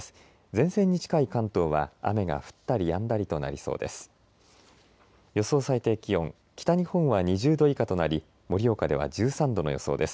前線に近い関東は雨が降ったりやんだりとなりそうです。